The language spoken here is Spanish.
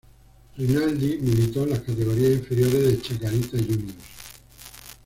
Rinaldi militó en las categorías inferiores de Chacarita Juniors.